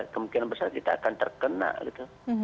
kemungkinan besar kita akan terkena gitu